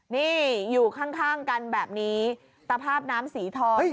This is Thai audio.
นี่อยู่ข้างกันแบบนี้สภาพน้ำสีทอง